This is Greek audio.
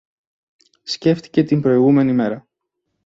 Σκέφτηκε την προηγούμενη μέρα